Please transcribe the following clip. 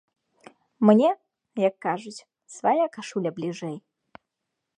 Мне, як кажуць, свая кашуля бліжэй.